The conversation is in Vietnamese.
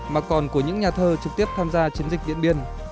mà còn của những nhà thơ trực tiếp tham gia chiến dịch điện biên